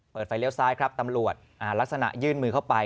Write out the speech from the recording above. ไฟเลี้ยวซ้ายครับตำรวจลักษณะยื่นมือเข้าไป